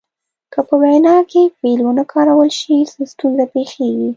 که په وینا کې فعل ونه کارول شي څه ستونزه پیښیږي.